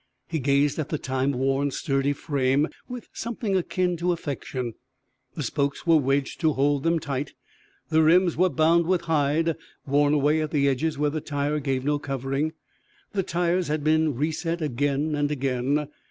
He gazed at the time worn, sturdy frame with something akin to affection. The spokes were wedged to hold them tight, the rims were bound with hide, worn away at the edges where the tire gave no covering, the tires had been reset again and again.